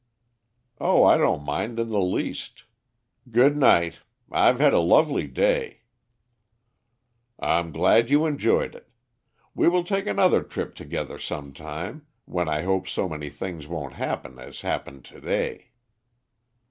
"Oh, I don't mind in the least. Good night. I've had a lovely day." "I'm glad you enjoyed it. We will take another trip together some time, when I hope so many things won't happen as happened to day."